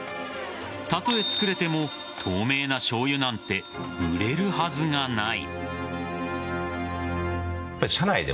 たとえ造れても透明なしょうゆなんて売れるはずがない。